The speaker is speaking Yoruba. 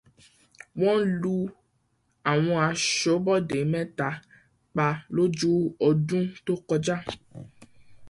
Wọ́n lu àwọn aṣọ́bodè mẹ́ta pa lọ́jọ́ ọdún tó kọjá.